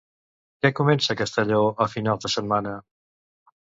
Què comença Castelló a finals de setmana?